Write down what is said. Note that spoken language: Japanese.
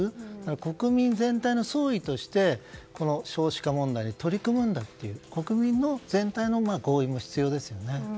国民全体の総意として少子化対策に取り組むんだという国民全体の合意も必要ですよね。